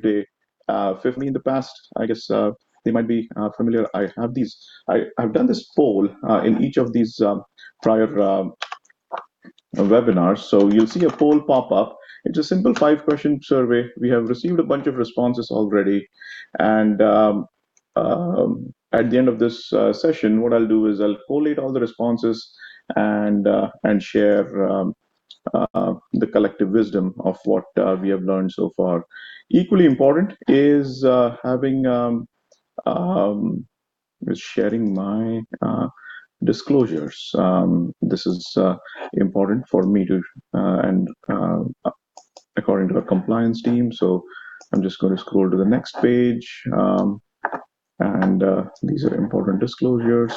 Day 15 in the past, I guess they might be familiar. I've done this poll in each of these prior webinars. You'll see a poll pop up. It's a simple five-question survey. We have received a bunch of responses already, at the end of this session, what I'll do is I'll collate all the responses and share the collective wisdom of what we have learned so far. Equally important is sharing my disclosures. This is important for me to, and according to our compliance team. I'm just going to scroll to the next page, these are important disclosures.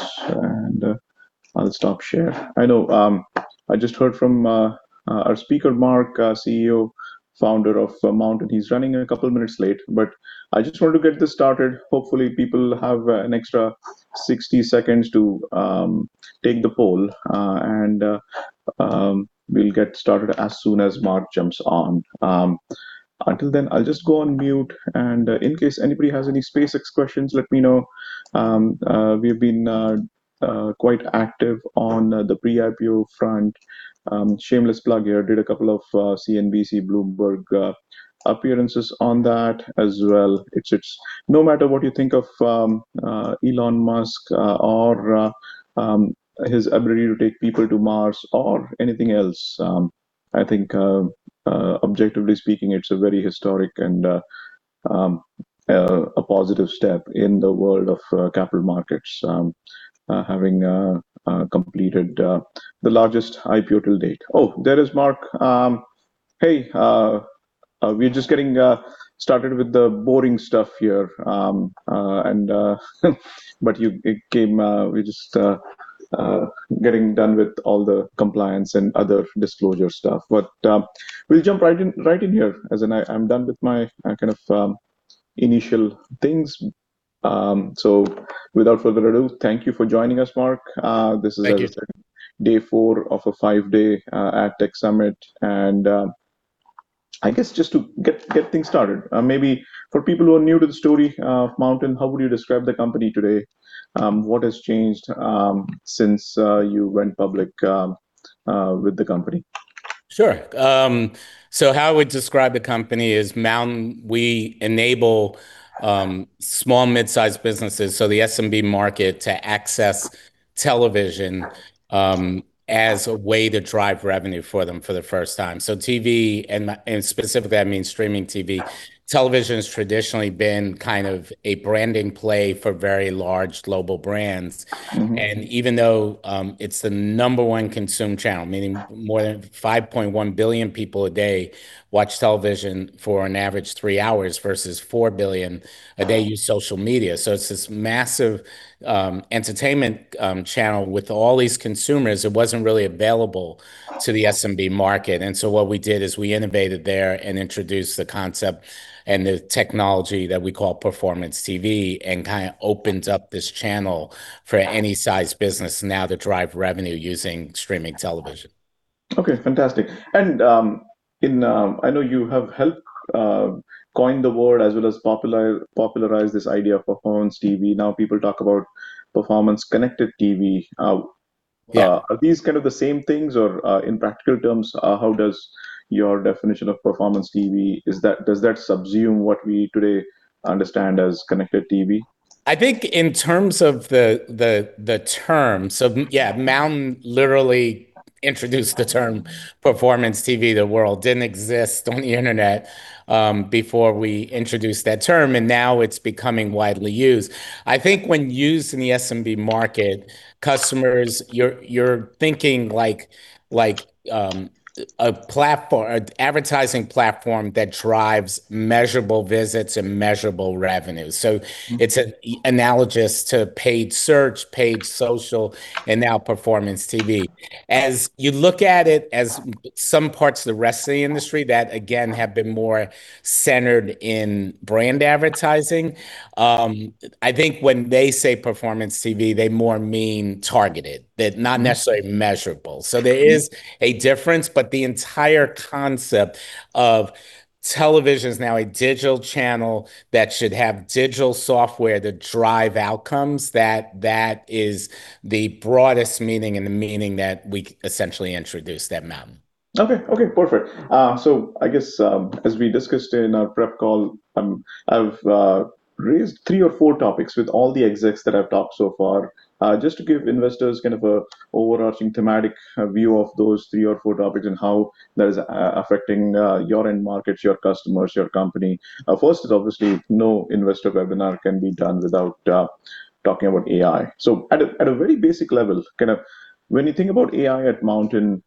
I'll stop share. I know, I just heard from our speaker, Mark, Chief Executive Officer, founder of MNTN, he's running a couple of minutes late. I just want to get this started, hopefully people have an extra 60 seconds to take the poll. We'll get started as soon as Mark jumps on. Until then, I'll just go on mute, and in case anybody has any SpaceX questions, let me know. We've been quite active on the pre-IPO front. Shameless plug here, did a couple of CNBC, Bloomberg appearances on that as well. No matter what you think of Elon Musk or his ability to take people to Mars or anything else. I think, objectively speaking, it's a very historic and a positive step in the world of capital markets, having completed the largest IPO to date. Oh, there is Mark. Hey, we're just getting started with the boring stuff here, we're just getting done with all the compliance and other disclosure stuff. We'll jump right in here, as in I'm done with my kind of initial things. Without further ado, thank you for joining us, Mark. Thank you. This is day four of a five-day AdTech Summit. I guess just to get things started, maybe for people who are new to the story of MNTN, how would you describe the company today? What has changed since you went public with the company? How I would describe the company is MNTN, we enable small, mid-size businesses, the SMB market, to access television as a way to drive revenue for them for the first time. TV, and specifically that means streaming TV. Television's traditionally been kind of a branding play for very large global brands. Even though it's the number one consumed channel, meaning more than 5.1 billion people a day watch television for an average three hours versus 4 billion a day use social media. It's this massive entertainment channel with all these consumers, it wasn't really available to the SMB market. What we did is we innovated there and introduced the concept and the technology that we call Performance TV, and kind of opened up this channel for any size business now to drive revenue using streaming television. Okay, fantastic. I know you have helped coin the word as well as popularize this idea of Performance TV. Now people talk about performance connected TV. Are these kind of the same things? In practical terms, how does your definition of Performance TV, does that subsume what we today understand as connected TV? MNTN literally introduced the term Performance TV to the world. It didn't exist on the internet before we introduced that term, and now it's becoming widely used. When used in the SMB market, you're thinking like an advertising platform that drives measurable visits and measurable revenue. It's analogous to paid search, paid social, and now Performance TV. As you look at it, some parts of the rest of the industry that, again, have been more centered in brand advertising, when they say Performance TV, they more mean targeted, not necessarily measurable. There is a difference, but the entire concept of television's now a digital channel that should have digital software that drive outcomes, that is the broadest meaning and the meaning that we essentially introduced at MNTN. Okay. Perfect. I guess, as we discussed in our prep call, I've raised three or four topics with all the execs that I've talked so far, just to give investors kind of an overarching thematic view of those three or four topics and how that is affecting your end markets, your customers, your company. First is obviously, no investor webinar can be done without talking about AI. At a very basic level, kind of when you think about AI at MNTN,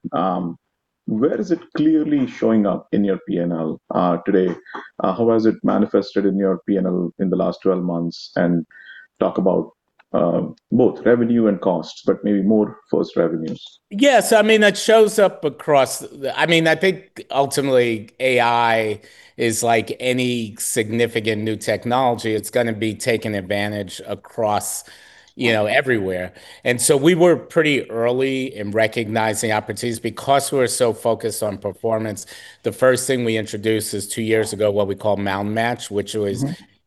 where is it clearly showing up in your P&L today? How has it manifested in your P&L in the last 12 months? Talk about both revenue and cost, but maybe more first revenues. Yes, I think ultimately AI is like any significant new technology. It's going to be taken advantage across everywhere. We were pretty early in recognizing opportunities because we were so focused on performance. The first thing we introduced is two years ago, what we call MNTN Matched, which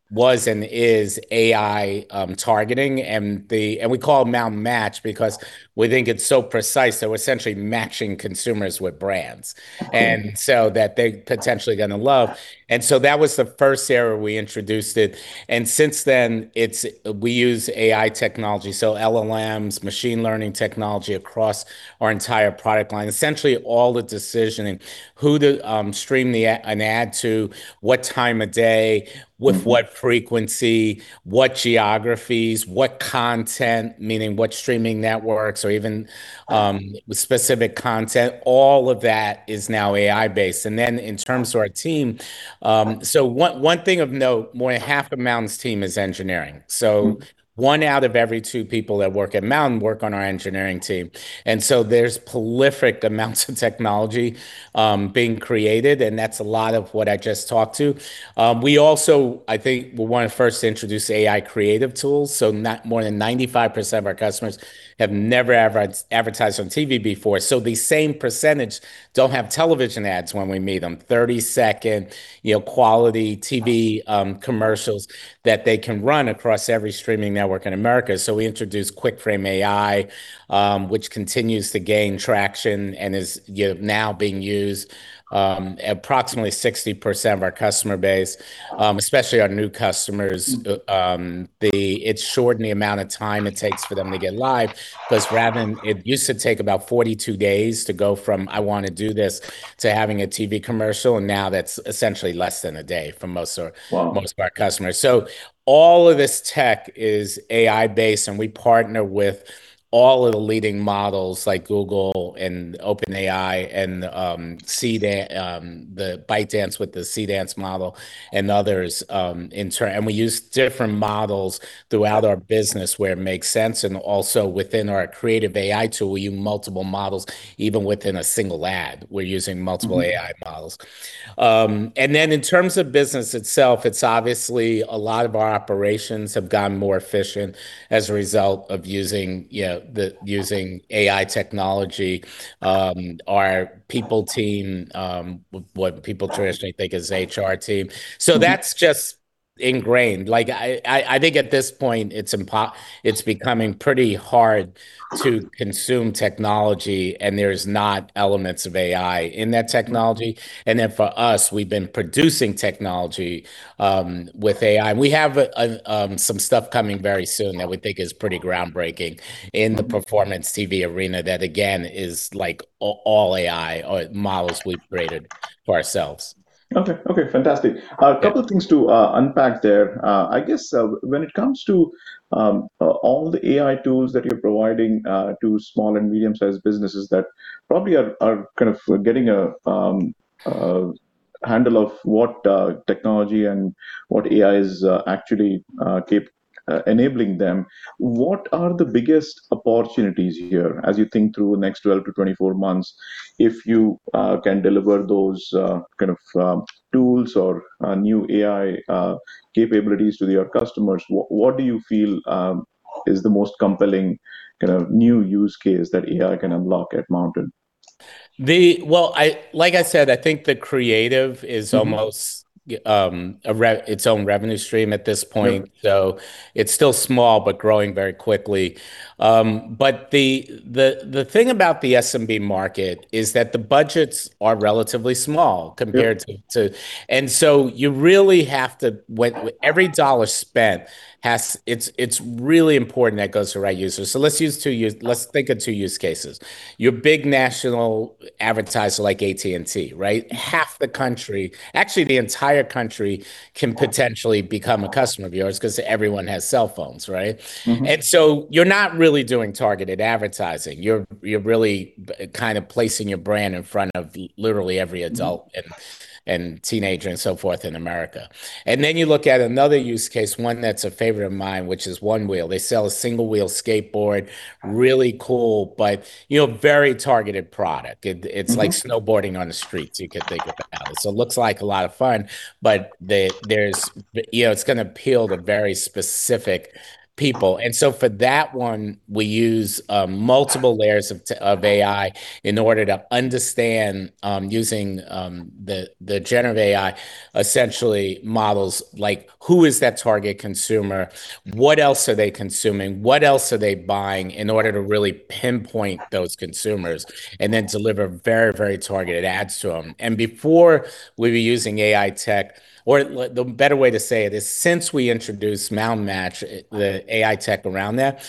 was AI targeting. We call it MNTN Matched because we think it's so precise, so essentially matching consumers with brands, so that they're potentially going to love. That was the first era we introduced it, and since then, we use AI technology, so LLMs, machine learning technology across our entire product line. Essentially all the decisioning, who to stream an ad to, what time of day with what frequency, what geographies, what content, meaning what streaming networks or even specific content, all of that is now AI-based. In terms of our team, one thing of note, more than half of MNTN's team is engineering. One out of every two people that work at MNTN work on our engineering team, there's prolific amounts of technology being created, that's a lot of what I just talked to. We also, I think we were one of the first to introduce AI creative tools, more than 95% of our customers have never advertised on TV before. The same percentage don't have television ads when we meet them. 30-second quality TV commercials that they can run across every streaming network in America. We introduced QuickFrame AI, which continues to gain traction and is now being used approximately 60% of our customer base, especially our new customers. It shortened the amount of time it takes for them to get live because it used to take about 42 days to go from, I want to do this, to having a TV commercial, now that's essentially less than a day for most of our customers. All of this tech is AI-based, we partner with all of the leading models like Google and OpenAI and ByteDance with the Seedance model and others in turn, we use different models throughout our business where it makes sense. Within our creative AI tool, we use multiple models even within a single ad, we're using multiple AI models. In terms of business itself, it's obviously a lot of our operations have gotten more efficient as a result of using AI technology. Our people team, what people traditionally think as HR team. That's just ingrained. I think at this point it's becoming pretty hard to consume technology, there's not elements of AI in that technology. For us, we've been producing technology with AI, we have some stuff coming very soon that we think is pretty groundbreaking in the Performance TV arena that again is all AI or models we've created for ourselves. Okay. Fantastic. A couple things to unpack there. I guess when it comes to all the AI tools that you're providing to small and medium-sized businesses that probably are getting a handle of what technology and what AI is actually enabling them, what are the biggest opportunities here as you think through next 12-24 months, if you can deliver those kind of tools or new AI capabilities to your customers, what do you feel is the most compelling kind of new use case that AI can unlock at MNTN? Like I said, I think the creative is almost its own revenue stream at this point. It's still small, but growing very quickly. The thing about the SMB market is that the budgets are relatively small compared to. Every dollar spent, it's really important that it goes to the right user. Let's think of two use cases. Your big national advertiser like AT&T. Half the country, actually the entire country can potentially become a customer of yours because everyone has cell phones. You're not really doing targeted advertising. You're really kind of placing your brand in front of literally every adult and teenager and so forth in America. You look at another use case, one that's a favorite of mine, which is Onewheel. They sell a single-wheel skateboard, really cool, but very targeted product. It's like snowboarding on the streets, you could think of it that way. It looks like a lot of fun, but it's going to appeal to very specific people. For that one, we use multiple layers of AI in order to understand, using the generative AI. Essentially models like who is that target consumer, what else are they consuming, what else are they buying in order to really pinpoint those consumers and then deliver very targeted ads to them. Before we were using AI tech, or the better way to say it is since we introduced MNTN Matched, the AI tech around that,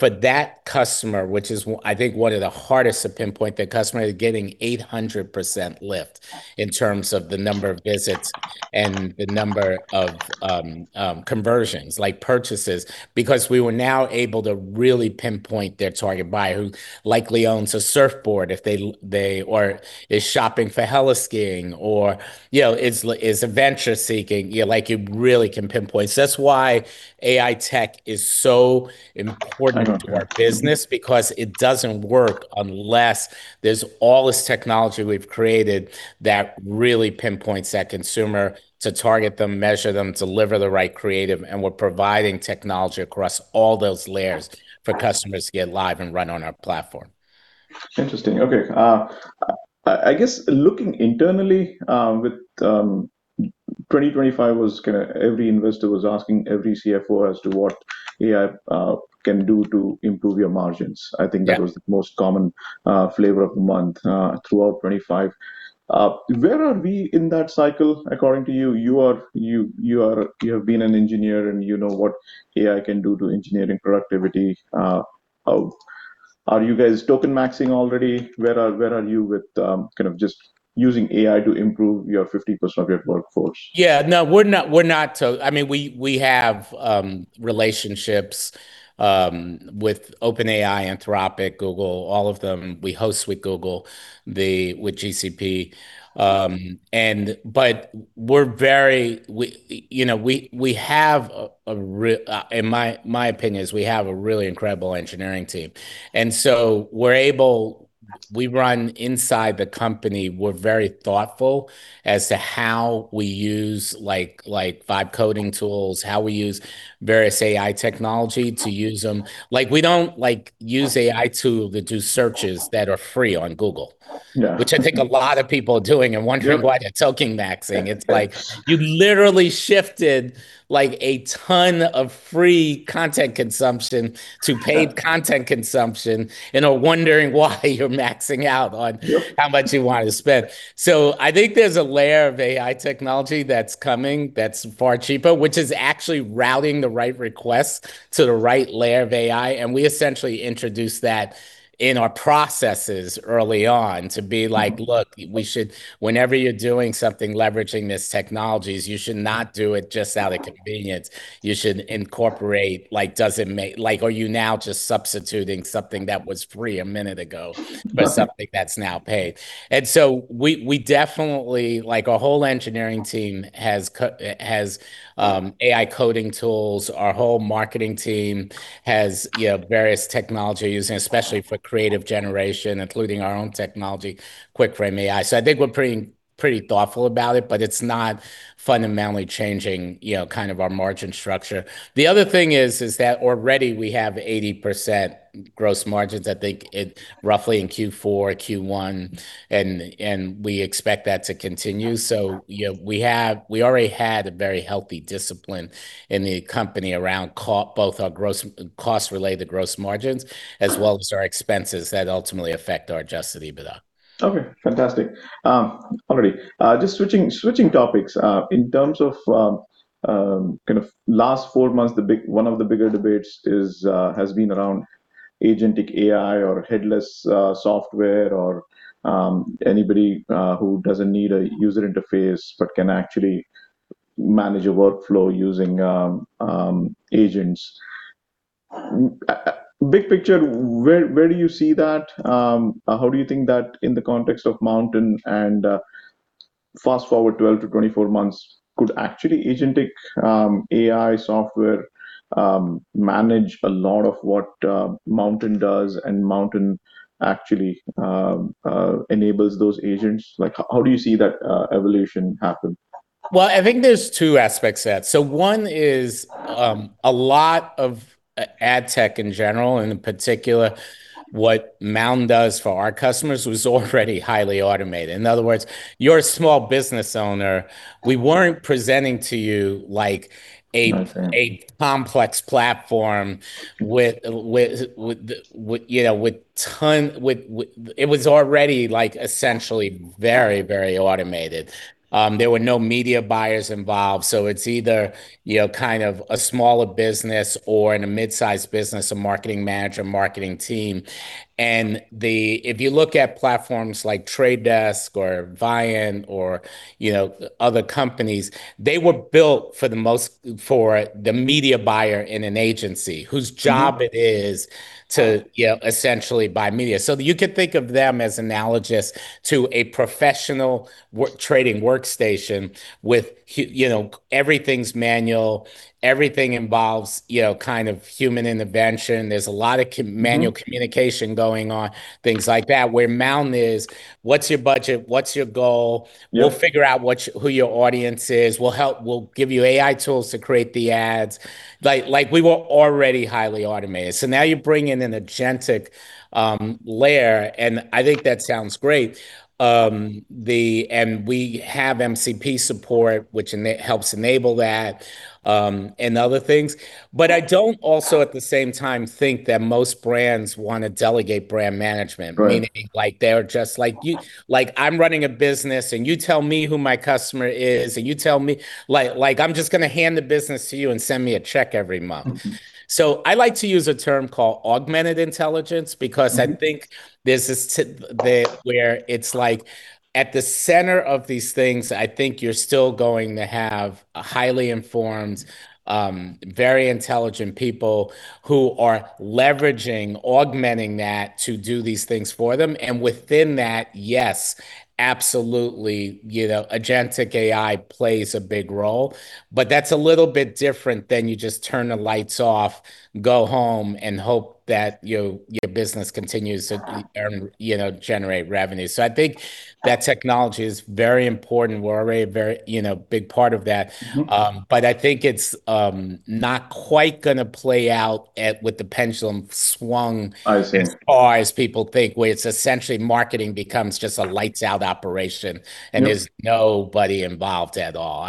for that customer, which is I think one of the hardest to pinpoint, that customer is getting 800% lift in terms of the number of visits and the number of conversions, like purchases because we were now able to really pinpoint their target buyer. Who likely owns a surfboard or is shopping for heli-skiing or is adventure-seeking. You really can pinpoint. That's why AI tech is so important to our business because it doesn't work unless there's all this technology we've created that really pinpoints that consumer to target them, measure them, deliver the right creative, and we're providing technology across all those layers for customers to get live and run on our platform. Interesting. Okay. I guess looking internally, with 2025 every investor was asking every CFO as to what AI can do to improve your margins. I think that was the most common flavor of the month throughout 2025. Where are we in that cycle, according to you? You have been an engineer and you know what AI can do to engineering productivity. Are you guys token maxing already? Where are you with just using AI to improve your 50% of your workforce? Yeah. No, we're not. We have relationships with OpenAI, Anthropic, Google, all of them. We host with Google, with GCP. My opinion is we have a really incredible engineering team. We run inside the company, we're very thoughtful as to how we use vibe coding tools, how we use various AI technology to use them. We don't use AI tool to do searches that are free on Google, which I think a lot of people are doing and wondering why they're token maxing. It's like you literally shifted a ton of free content consumption to paid content consumption and are wondering why you're maxing out on how much you want to spend. I think there's a layer of AI technology that's coming that's far cheaper, which is actually routing the right requests to the right layer of AI, and we essentially introduce that in our processes early on to be like, look, whenever you're doing something leveraging these technologies, you should not do it just out of convenience. You should incorporate, are you now just substituting something that was free a minute ago for something that's now paid? We definitely, like our whole engineering team has AI coding tools. Our whole marketing team has various technology using, especially for creative generation, including our own technology, QuickFrame AI. I think we're pretty thoughtful about it, but it's not fundamentally changing our margin structure. The other thing is that already we have 80% gross margins. I think it roughly in Q4, Q1, and we expect that to continue. We already had a very healthy discipline in the company around both our cost-related gross margins as well as our expenses that ultimately affect our adjusted EBITDA. Okay, fantastic. All righty. Just switching topics. In terms of last four months, one of the bigger debates has been around agentic AI or headless software or anybody who doesn't need a user interface but can actually manage a workflow using agents. Big picture, where do you see that? How do you think that in the context of MNTN and fast forward 12-24 months, could actually agentic AI software manage a lot of what MNTN does and MNTN actually enables those agents? How do you see that evolution happen? Well, I think there's two aspects to that. One is, a lot of ad tech in general, and in particular, what MNTN does for our customers was already highly automated. In other words, you're a small business owner, we weren't presenting to you like a complex platform. It was already essentially very automated. There were no media buyers involved, so it's either a smaller business or in a mid-size business, a marketing manager, marketing team. If you look at platforms like The Trade Desk or Viant or other companies, they were built for the media buyer in an agency whose job it is to essentially buy media. You could think of them as analogous to a professional trading workstation with everything's manual, everything involves human intervention. There's a lot of manual communication going on, things like that. Where MNTN is, what's your budget? What's your goal? We'll figure out who your audience is. We'll give you AI tools to create the ads. We were already highly automated. Now you bring in an agentic layer, and I think that sounds great. We have MCP support, which helps enable that, and other things. I don't also at the same time think that most brands want to delegate brand management. Meaning like they're just like, I'm running a business and you tell me who my customer is. I'm just going to hand the business to you and send me a check every month. I like to use a term called Augmented Intelligence because I think this is where it's like at the center of these things, I think you're still going to have highly informed, very intelligent people who are leveraging, augmenting that to do these things for them. Within that, yes, absolutely, Agentic AI plays a big role, but that's a little bit different than you just turn the lights off, go home, and hope that your business continues to earn, generate revenue. I think that technology is very important. We're already a very big part of that. It's not quite going to play out at with the pendulum swung far as people think, where it's essentially marketing becomes just a lights-out operation there's nobody involved at all.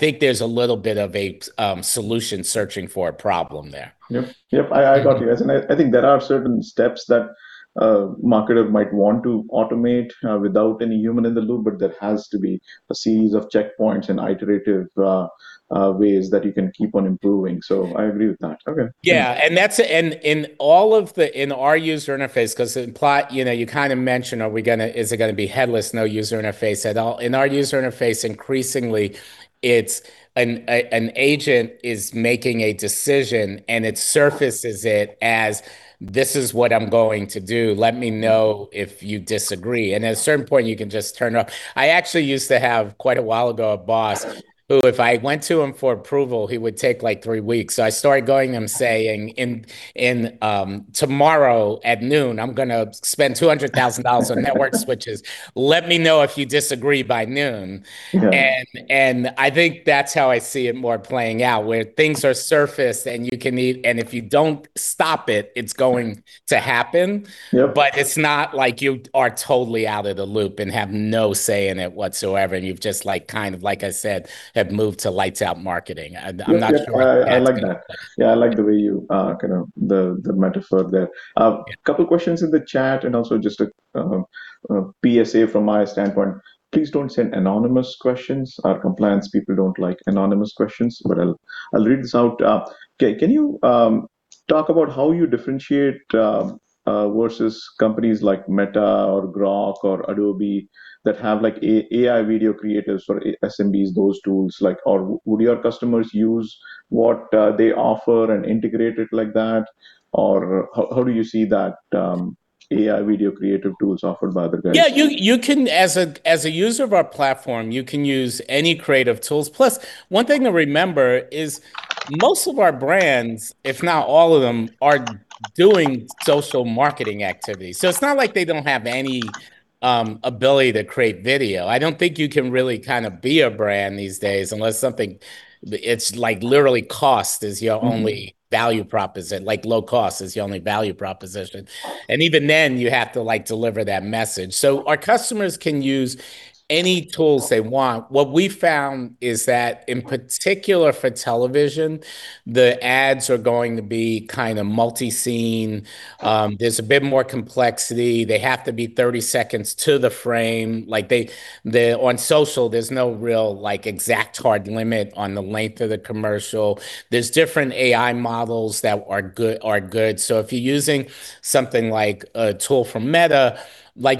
There's a little bit of a solution searching for a problem there. Yep. I got you. I think there are certain steps that a marketer might want to automate without any human in the loop, but there has to be a series of checkpoints and iterative ways that you can keep on improving. I agree with that. Okay. Yeah, in our user interface, because in plot, you kind of mentioned are we going to be headless, no user interface at all? In our user interface, increasingly, it's an agent is making a decision, and it surfaces it as, this is what I'm going to do. Let me know if you disagree. At a certain point, you can just turn it off. I actually used to have quite a while ago, a boss, who if I went to him for approval, he would take three weeks. I started going to him saying, tomorrow at noon, I'm going to spend $200,000 on network switches. Let me know if you disagree by noon. I think that's how I see it more playing out, where things are surfaced, and if you don't stop it's going to happen. It's not like you are totally out of the loop and have no say in it whatsoever, and you've just, like I said, have moved to lights-out marketing. I'm not sure. Yeah. I like that. I like the way the metaphor there. A couple of questions in the chat and also just a PSA from my standpoint, please don't send anonymous questions. Our compliance people don't like anonymous questions. I'll read this out. Okay, can you talk about how you differentiate versus companies like Meta or Grok or Adobe that have AI video creators for SMBs, those tools? Would your customers use what they offer and integrate it like that? How do you see that AI video creative tools offered by other guys? Yeah, as a user of our platform, you can use any creative tools. Plus, one thing to remember is most of our brands, if not all of them, are doing social marketing activities. It's not like they don't have any ability to create video. I don't think you can really be a brand these days unless it's literally cost is your only. Value proposition, low cost is your only value proposition. Even then, you have to deliver that message. Our customers can use any tools they want. What we found is that, in particular for television, the ads are going to be multi-scene. There's a bit more complexity. They have to be 30 seconds to the frame. On social, there's no real exact hard limit on the length of the commercial. There's different AI models that are good. If you're using something like a tool from Meta,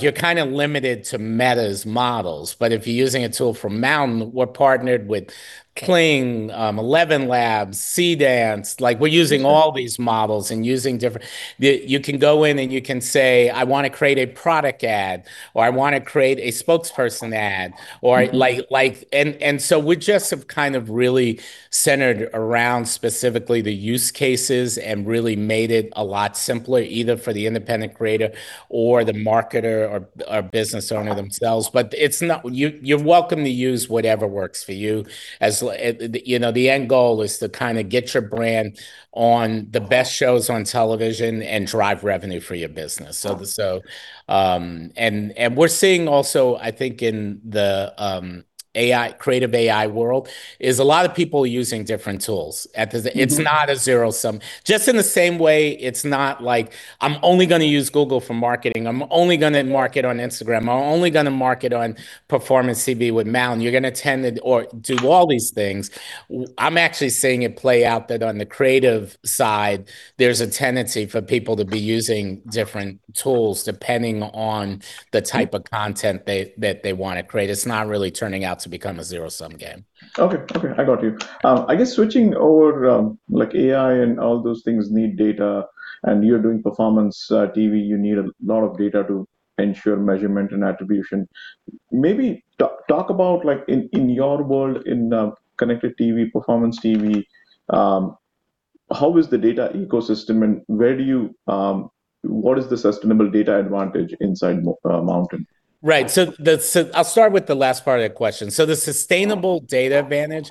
you're kind of limited to Meta's models. If you're using a tool from MNTN, we're partnered with Kling, ElevenLabs, Seedance. We're using all these models. You can go in, and you can say, I want to create a product ad, or, I want to create a spokesperson ad. We just have kind of really centered around specifically the use cases and really made it a lot simpler, either for the independent creator or the marketer or business owner themselves. You're welcome to use whatever works for you, as the end goal is to get your brand on the best shows on television and drive revenue for your business. We're seeing also, I think in the creative AI world, is a lot of people using different tools. It's not a zero-sum. Just in the same way, it's not like I'm only going to use Google for marketing. I'm only going to market on Instagram. I'm only going to market on Performance TV with MNTN. You're going to tend to do all these things. I'm actually seeing it play out that on the creative side, there's a tendency for people to be using different tools depending on the type of content that they want to create. It's not really turning out to become a zero-sum game. Okay. I got you. I guess switching over, like AI and all those things need data, and you're doing Performance TV, you need a lot of data to ensure measurement and attribution. Maybe talk about in your world, in Connected TV, Performance TV, how is the data ecosystem and what is the sustainable data advantage inside MNTN? Right. I'll start with the last part of that question. The sustainable data advantage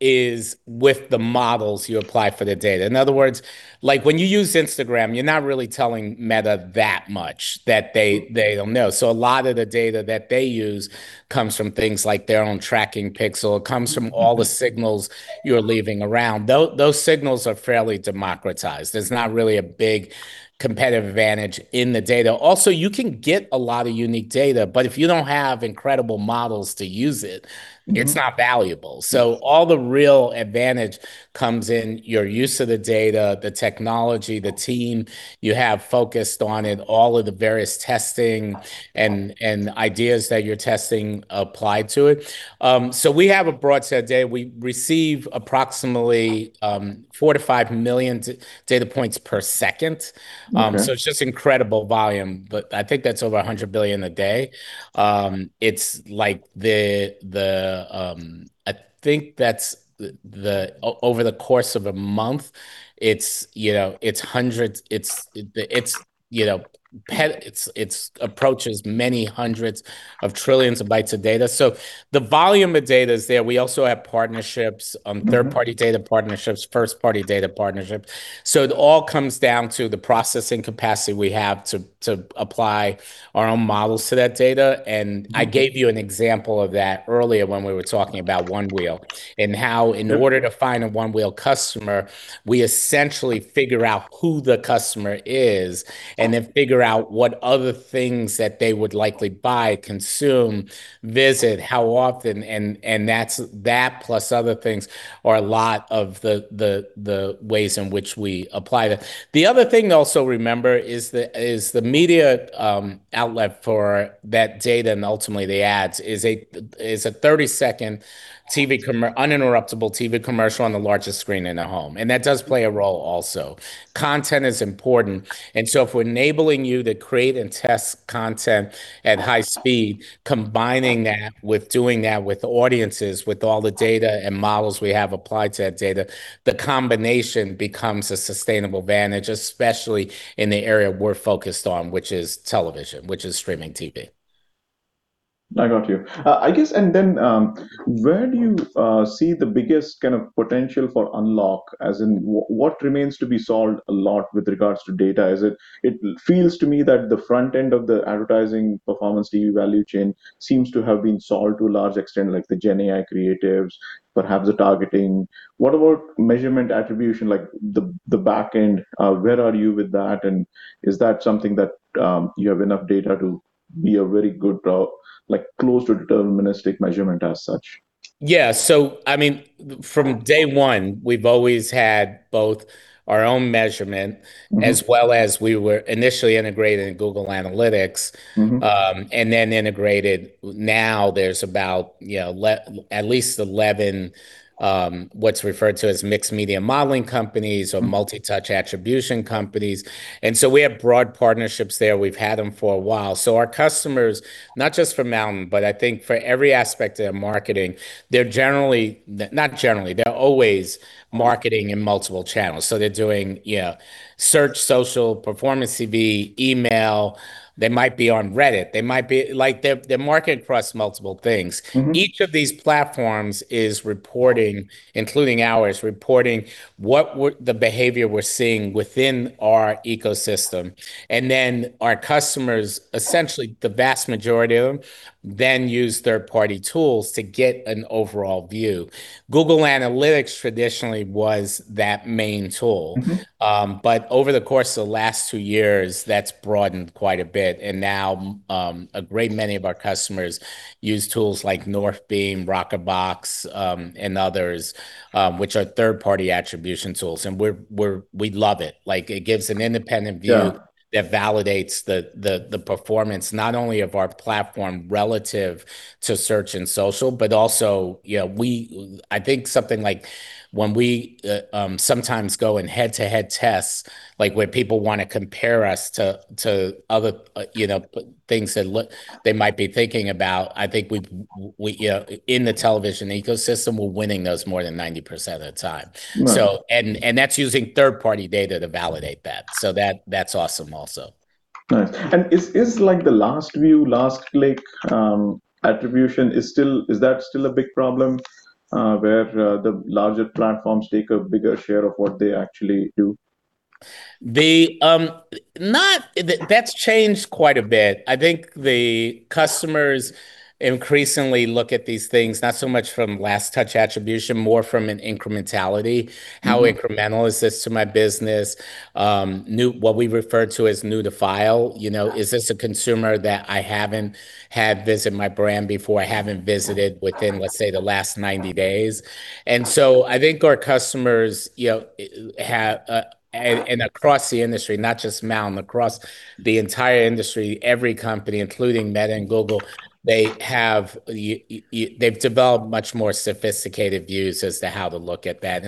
is with the models you apply for the data. In other words, when you use Instagram, you're not really telling Meta that much that they don't know. A lot of the data that they use comes from things like their own tracking pixel. It comes from all the signals you're leaving around. Those signals are fairly democratized. There's not really a big competitive advantage in the data. You can get a lot of unique data, but if you don't have incredible models to use it. it's not valuable. All the real advantage comes in your use of the data, the technology, the team You have focused on it, all of the various testing, and ideas that you're testing applied to it. We have a broad set of data. We receive approximately 4 million-5 million data points per second. It's just incredible volume. I think that's over 100 billion a day. I think over the course of a month it approaches many hundreds of trillions of bytes of data. The volume of data is there. We also have partnerships. Third-party data partnerships, first-party data partnerships. It all comes down to the processing capacity we have to apply our own models to that data. I gave you an example of that earlier when we were talking about Onewheel, and how in order to find a Onewheel customer, we essentially figure out who the customer is, and then figure out what other things that they would likely buy, consume, visit, how often, and that plus other things are a lot of the ways in which we apply that. The other thing to also remember is the media outlet for that data, and ultimately the ads, is a 30-second uninterruptable TV commercial on the largest screen in a home. That does play a role also. Content is important. If we're enabling you to create and test content at high speed, combining that with doing that with audiences, with all the data and models we have applied to that data, the combination becomes a sustainable advantage, especially in the area we're focused on, which is television, which is streaming TV. I got you. I guess, where do you see the biggest kind of potential for unlock as in what remains to be solved a lot with regards to data? It feels to me that the front end of the advertising Performance TV value chain seems to have been solved to a large extent, like the Gen AI creatives, perhaps the targeting. What about measurement attribution, like the back end? Where are you with that, and is that something that you have enough data to be a very good, close to deterministic measurement as such? Yeah. From day one, we've always had both our own measurement as well as we were initially integrated in Google Analytics. Integrated, now there's about at least 11, what's referred to as media mix modeling companies or multi-touch attribution companies. We have broad partnerships there. We've had them for a while. Our customers, not just for MNTN, but for every aspect of their marketing, they're always marketing in multiple channels. They're doing search, social, Performance TV, email. They might be on Reddit. They're market across multiple things. Each of these platforms is reporting, including ours, reporting what the behavior we're seeing within our ecosystem. Our customers, essentially the vast majority of them, then use third-party tools to get an overall view. Google Analytics traditionally was that main tool. Over the course of the last two years, that's broadened quite a bit, and now a great many of our customers use tools like Northbeam, Rockerbox, and others, which are third-party attribution tools. We love it. It gives an independent view that validates the performance not only of our platform relative to search and social, but also I think something like when we sometimes go in head-to-head tests. Like where people want to compare us to other things they might be thinking about, I think in the television ecosystem, we're winning those more than 90% of the time. That's using third-party data to validate that. That's awesome also. Nice. Is the last view, last click attribution, is that still a big problem where the larger platforms take a bigger share of what they actually do? That's changed quite a bit. I think the customers increasingly look at these things, not so much from last touch attribution, more from an incrementality. How incremental is this to my business? What we refer to as new to file. Is this a consumer that I haven't had visit my brand before, haven't visited within, let's say, the last 90 days? I think our customers, and across the industry, not just MNTN, across the entire industry, every company, including Meta and Google, they've developed much more sophisticated views as to how to look at that.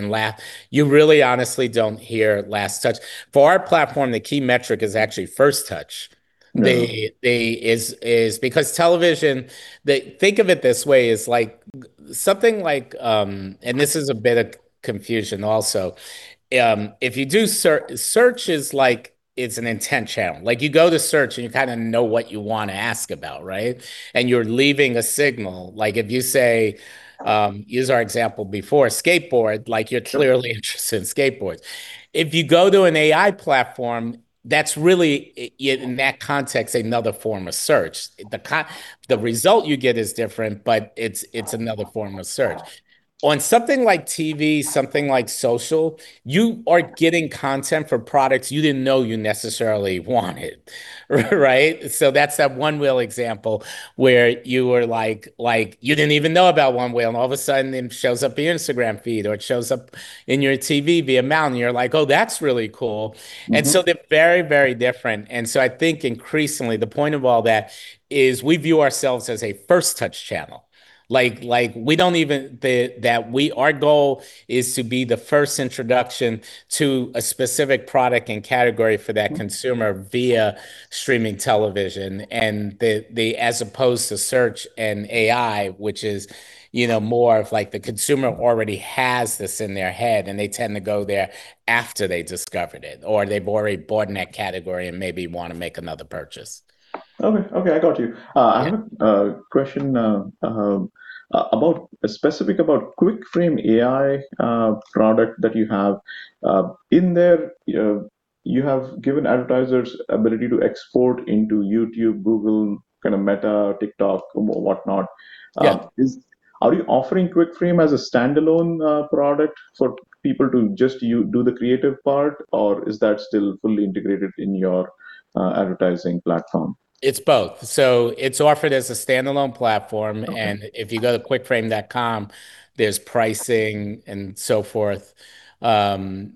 You really honestly don't hear last touch. For our platform, the key metric is actually first touch. Television, think of it this way, is like Something like, this is a bit of confusion also, if you do search is an intent channel. You go to search and you kind of know what you want to ask about. You're leaving a signal. If you say, use our example before, skateboard, you're clearly interested in skateboards. If you go to an AI platform, that's really, in that context, another form of search. The result you get is different, but it's another form of search. On something like TV, something like social, you are getting content for products you didn't know you necessarily wanted, right? That's that Onewheel example, where you were like, you didn't even know about Onewheel, and all of a sudden it shows up in your Instagram feed, or it shows up in your TV via MNTN. You're like, Oh, that's really cool. They're very different. Increasingly the point of all that is we view ourselves as a first touch channel. Our goal is to be the first introduction to a specific product and category for that consumer via streaming television, as opposed to search and AI, which is more of the consumer already has this in their head and they tend to go there after they discovered it, or they've already bought in that category and maybe want to make another purchase. Okay. I got you. I have a question specific about QuickFrame AI product that you have. In there, you have given advertisers ability to export into YouTube, Google, kind of Meta, TikTok, whatnot. Are you offering QuickFrame as a standalone product for people to just do the creative part, or is that still fully integrated in your advertising platform? It's both. It's offered as a standalone platform. If you go to quickframe.com, there's pricing and so forth. We're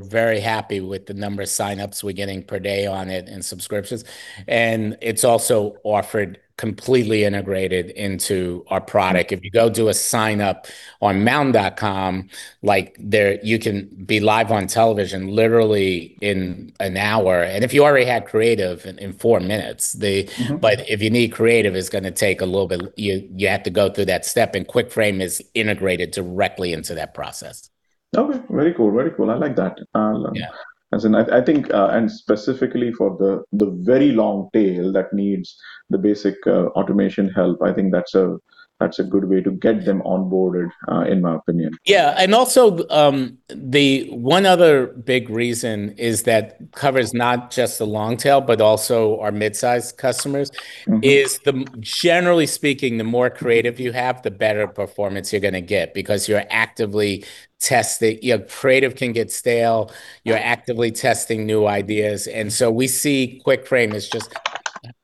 very happy with the number of sign-ups we're getting per day on it and subscriptions, it's also offered completely integrated into our product. If you go do a sign-up on mntn.com, you can be live on television literally in an hour, and if you already had creative, in four minutes. If you need creative, it's going to take a little bit. You have to go through that step, and QuickFrame is integrated directly into that process. Okay. Very cool. I like that. Specifically for the very long tail that needs the basic automation help, I think that's a good way to get them onboarded, in my opinion. Yeah. Also, the one other big reason is that covers not just the long tail, but also our midsize customers. Is generally speaking, the more creative you have, the better performance you're going to get because creative can get stale, you're actively testing new ideas, we see QuickFrame as just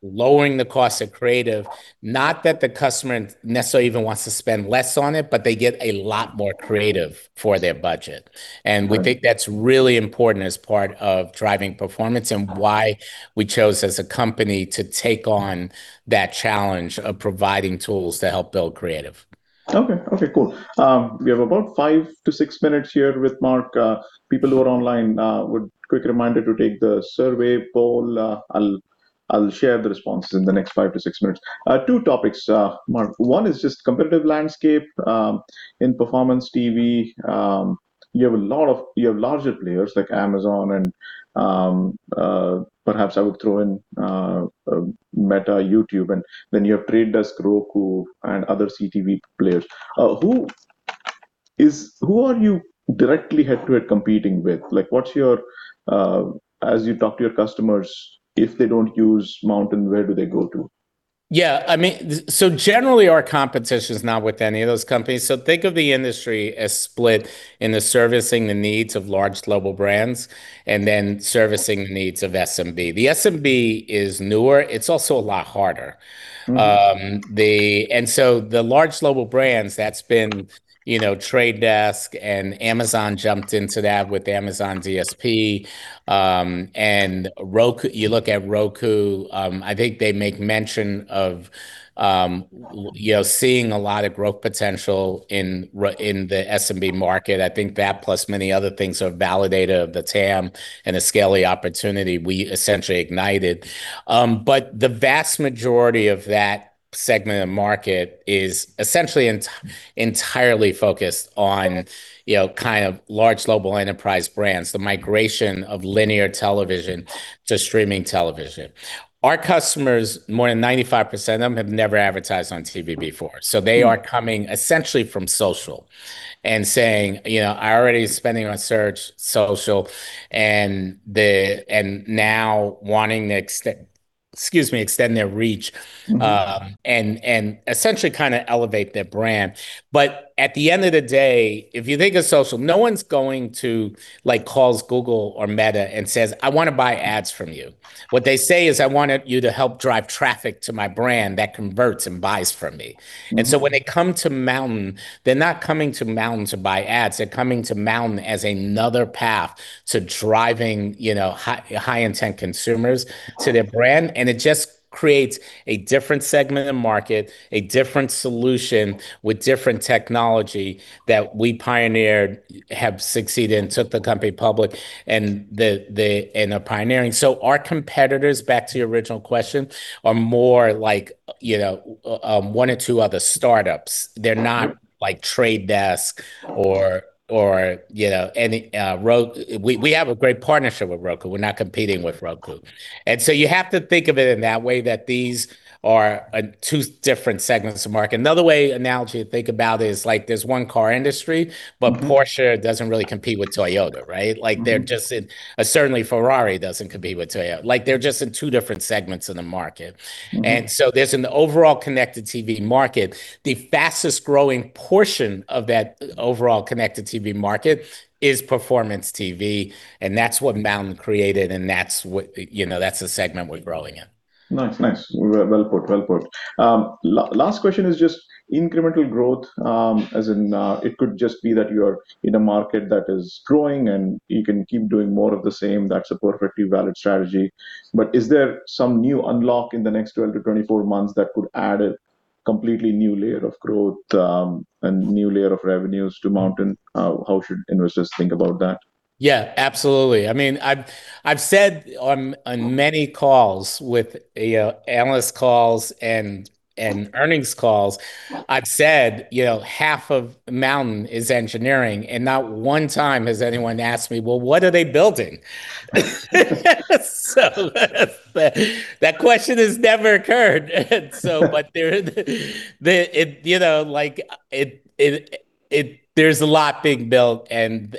lowering the cost of creative. Not that the customer necessarily even wants to spend less on it, but they get a lot more creative for their budget. We think that's really important as part of driving performance and why we chose, as a company, to take on that challenge of providing tools to help build creative. Okay, cool. We have about five to six minutes here with Mark. People who are online, quick reminder to take the survey poll. I'll share the responses in the next five to six minutes. Two topics, Mark. One is just competitive landscape. In Performance TV, you have larger players like Amazon and perhaps I would throw in Meta, YouTube, and then you have The Trade Desk, Roku, and other CTV players. Who are you directly head-to-head competing with? As you talk to your customers, if they don't use MNTN, where do they go to? Yeah. Generally, our competition's not with any of those companies. Think of the industry as split into servicing the needs of large global brands and then servicing the needs of SMB. The SMB is newer. It's also a lot harder. The large global brands, that's been The Trade Desk, and Amazon jumped into that with Amazon DSP, and you look at Roku, I think they make mention of seeing a lot of growth potential in the SMB market. I think that plus many other things have validated the TAM and the scale of opportunity we essentially ignited. The vast majority of that segment of the market is essentially entirely focused on kind of large global enterprise brands, the migration of linear television to streaming television. Our customers, more than 95% of them, have never advertised on TV before. They are coming essentially from social and saying, I already am spending on search, social, and now wanting to extend Excuse me, extend their reach, and essentially elevate their brand. At the end of the day, if you think of social, no one's going to call Google or Meta and says, I want to buy ads from you. What they say is, I want you to help drive traffic to my brand that converts and buys from me. When they come to MNTN, they're not coming to MNTN to buy ads, they're coming to MNTN as another path to driving high-intent consumers to their brand, and it just creates a different segment of the market, a different solution with different technology that we pioneered, have succeeded, and took the company public, and are pioneering. Our competitors, back to your original question, are more like one or two other startups. They're not like Trade Desk or any. We have a great partnership with Roku. We're not competing with Roku. You have to think of it in that way, that these are two different segments of the market. Another analogy to think about is there's one car industry. Porsche doesn't really compete with Toyota, right? Certainly Ferrari doesn't compete with Toyota. They're just in two different segments of the market. There's an overall Connected TV market. The fastest growing portion of that overall Connected TV market is Performance TV, and that's what MNTN created, and that's the segment we're growing in. Nice. Well put. Last question is just incremental growth, as in it could just be that you're in a market that is growing and you can keep doing more of the same. That's a perfectly valid strategy. Is there some new unlock in the next 12-24 months that could add a completely new layer of growth and new layer of revenues to MNTN? How should investors think about that? Yeah, absolutely. I've said on many calls with analyst calls and earnings calls, I've said half of MNTN is engineering, and not one time has anyone asked me, well, what are they building? That question has never occurred. There's a lot being built and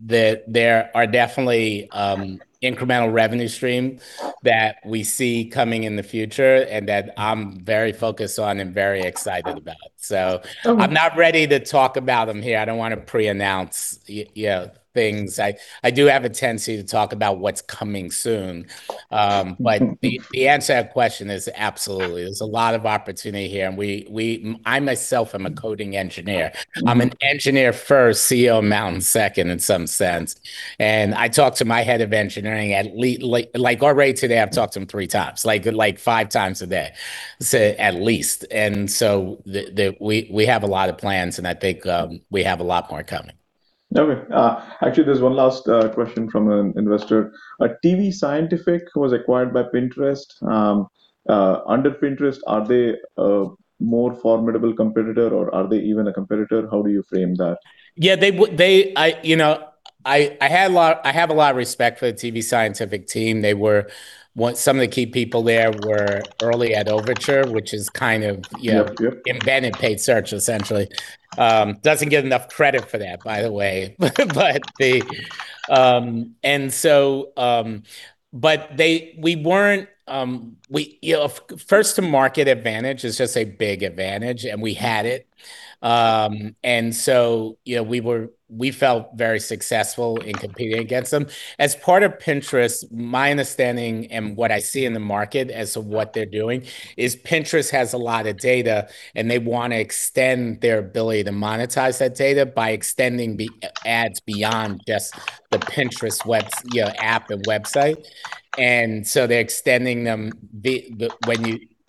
there are definitely incremental revenue streams that we see coming in the future and that I'm very focused on and very excited about. I'm not ready to talk about them here. I don't want to pre-announce things. I do have a tendency to talk about what's coming soon. The answer to that question is absolutely. There's a lot of opportunity here, and I myself am a coding engineer. I'm an engineer first, CEO of MNTN second in some sense. I talk to my head of engineering, like already today, I've talked to him three times. Like five times a day, at least. We have a lot of plans, and I think we have a lot more coming. Okay. Actually, there's one last question from an investor. tvScientific was acquired by Pinterest. Under Pinterest, are they a more formidable competitor or are they even a competitor? How do you frame that? Yeah. I have a lot of respect for the tvScientific team. Some of the key people there were early at Overture. Which invented paid search, essentially. Doesn't get enough credit for that, by the way. First to market advantage is just a big advantage, and we had it. We felt very successful in competing against them. As part of Pinterest, my understanding and what I see in the market as to what they're doing is Pinterest has a lot of data and they want to extend their ability to monetize that data by extending the ads beyond just the Pinterest app and website. They're extending them.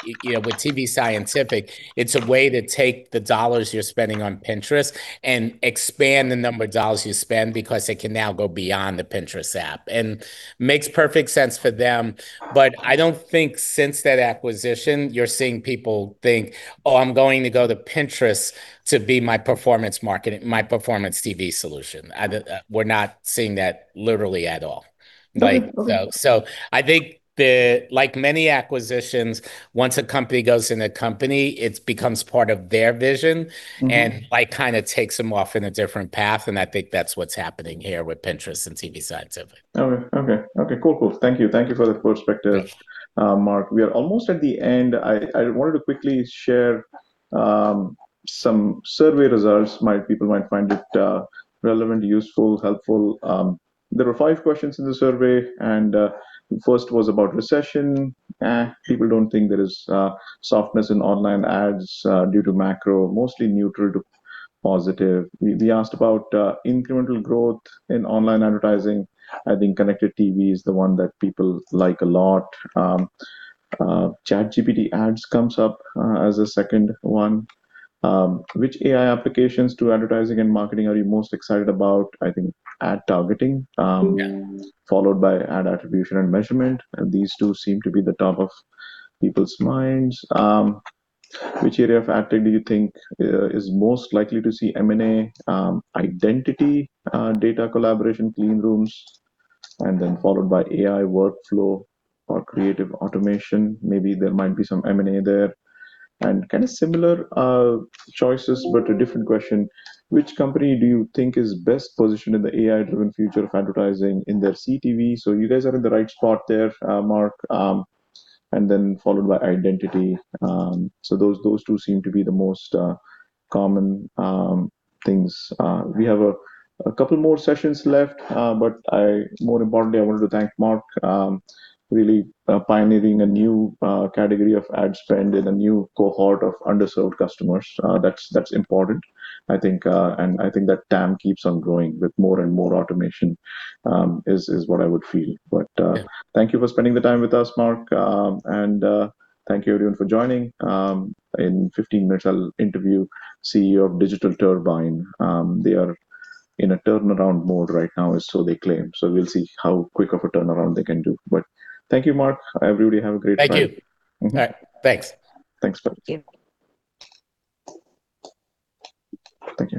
With tvScientific, it's a way to take the dollars you're spending on Pinterest and expand the number of dollars you spend because it can now go beyond the Pinterest app. Makes perfect sense for them. I don't think since that acquisition you're seeing people think, Oh, I'm going to go to Pinterest to be my Performance TV solution. We're not seeing that literally at all. I think that like many acquisitions, once a company goes in a company, it becomes part of their vision and takes them off in a different path, and that's what's happening here with Pinterest and tvScientific. Okay. Cool. Thank you for the perspective, Mark. We are almost at the end. I wanted to quickly share some survey results. People might find it relevant, useful, helpful. There were five questions in the survey. First was about recession. People don't think there is softness in online ads due to macro. Mostly neutral to positive. We asked about incremental growth in online advertising. I think connected TV is the one that people like a lot. ChatGPT ads comes up as a second one. Which AI applications to advertising and marketing are you most excited about? I think ad targeting followed by ad attribution and measurement. These two seem to be the top of people's minds. Which area of ad tech do you think is most likely to see M&A? Identity data collaboration, clean rooms, followed by AI workflow or creative automation. Maybe there might be some M&A there. Kind of similar choices, but a different question, which company do you think is best positioned in the AI-driven future of advertising in their CTV? You guys are in the right spot there, Mark. Followed by identity. Those two seem to be the most common things. We have a couple more sessions left, more importantly, I wanted to thank Mark, really pioneering a new category of ad spend and a new cohort of underserved customers. That's important. I think that TAM keeps on growing with more and more automation is what I would feel. Thank you for spending the time with us, Mark, and thank you everyone for joining. In 15 minutes, I'll interview CEO of Digital Turbine. They are in a turnaround mode right now, or so they claim. We'll see how quick of a turnaround they can do. Thank you, Mark. Everybody have a great night. Thank you. Thanks. Thanks. Thank you. Thank you.